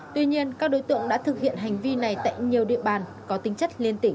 tuy nhiên các đối tượng đã thực hiện hành vi này tại nhiều địa bàn có tính chất liên tỉnh